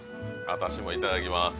私もいただきます